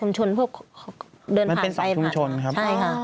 มันเป็นสองชุมชนครับ